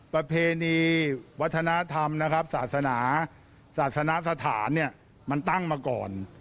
ประเพณีวัฒนธรรมนะครับศาสนาศาสนสถานเนี่ยมันตั้งมาก่อน